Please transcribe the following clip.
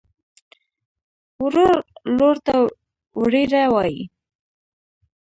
ورور لور ته وريره وايي.